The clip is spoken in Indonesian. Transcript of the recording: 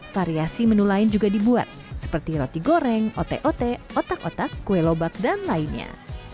variasi menu lain juga dibuat seperti roti goreng ote ote otak otak kue lobak dan lainnya